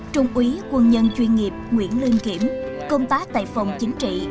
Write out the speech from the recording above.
trung úy quân nhân chuyên nghiệp nguyễn lương kiểm công tác tại phòng chính trị